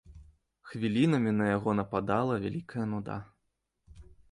Хвілінамі на яго нападала вялікая нуда.